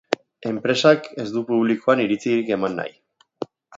Enpresak ez du publikoan iritzirik eman nahi.